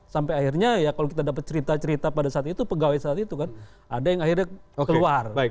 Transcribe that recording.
sampai akhirnya ya kalau kita dapat cerita cerita pada saat itu pegawai saat itu kan ada yang akhirnya keluar